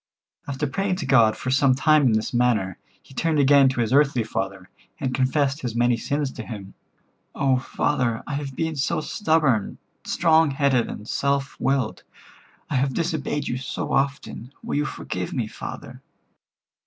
After praying to God for some time in this manner, he turned again to his earthly father, and confessed his many sins to him. "Oh, father, I have been so stubborn, strong headed and self willed. I have disobeyed you so often. Will you forgive me, father?"